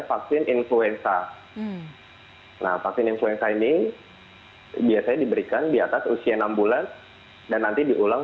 vaksin influenza nah vaksin influenza ini biasanya diberikan di atas usia enam bulan dan nanti diulang